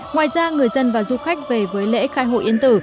ngoài ra người dân và du khách về với lễ khai hội yên tử